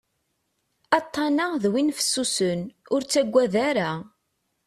Aṭṭan-a d win fessusen, ur ttaggad ara.